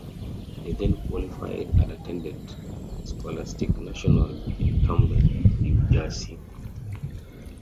They then qualified and attended Scholastic Nationals in Camden, New Jersey.